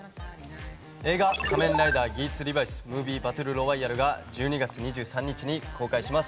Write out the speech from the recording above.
映画「仮面ライダーギーツ×リバイスＭＯＶＩＥバトルロワイヤル」が１２月２３日に公開します。